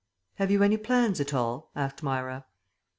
"Have you any plans at all?" asked Myra.